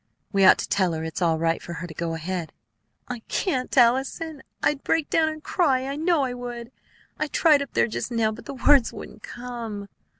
We ought to tell her it's all right for her to go ahead." "I can't, Allison; I'd break down and cry, I know I would. I tried up there just now, but the words wouldn't come."